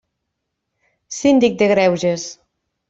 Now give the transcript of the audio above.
Síndic de Greuges.